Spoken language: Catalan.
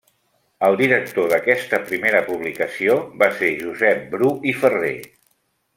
El director d'aquesta primera publicació va ser Josep Bru i Ferrer.